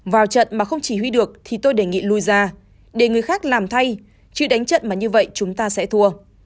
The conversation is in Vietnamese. vào trận mà không chỉ huy được thì tôi đề nghị lùi ra để người khác làm thay chứ đánh trận mà như vậy chúng ta sẽ thua